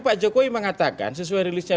pak jokowi mengatakan sesuai rilisnya